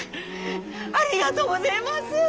ありがとうごぜます！